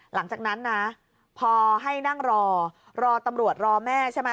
หลังจากนั้นนะพอให้นั่งรอรอตำรวจรอแม่ใช่ไหม